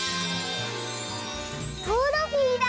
トロフィーだ！